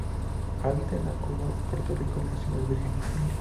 Habita en Cuba, Puerto Rico y las Islas Vírgenes.